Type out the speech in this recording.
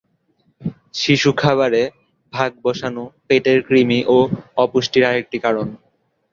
শিশুর খাবারে ভাগবসানো পেটের কৃমি ও অপুষ্টির আরেকটি কারণ।